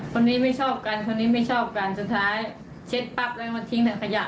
คนนี้ไม่ชอบกันคนนี้ไม่ชอบนี้